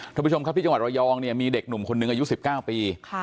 ท่านผู้ชมครับพี่จังหวัดเรายองมีเด็กหนุ่มโอนุงอายุ๑๙ปี